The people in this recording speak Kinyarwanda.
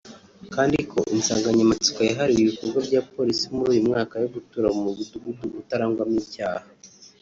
kandi ko insanganyamatsiko yahariwe ibikorwa bya Polisi muri uyu mwaka yo “Gutura mu mudugudu utarangwamo icyaha”